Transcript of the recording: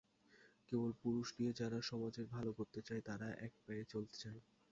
কেবল পুরুষ নিয়ে যারা সমাজের ভালো করতে চায় তারা এক পায়ে চলতে চায়।